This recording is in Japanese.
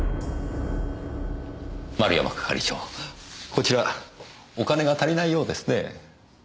丸山係長こちらお金が足りないようですね。